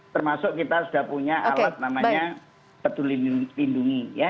termasuk kita sudah punya alat namanya peduli lindungi